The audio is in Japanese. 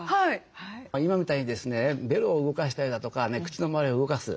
今みたいにですねベロを動かしたりだとか口の周りを動かす。